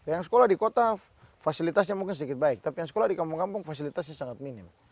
yang sekolah di kota fasilitasnya mungkin sedikit baik tapi yang sekolah di kampung kampung fasilitasnya sangat minim